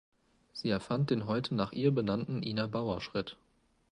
Sie erfand den heute nach ihr benannten „Ina-Bauer-Schritt“.